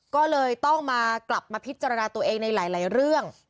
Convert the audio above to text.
ก็เลยต้องมากลับมาพิจารณาตัวเองในหลายเรื่อง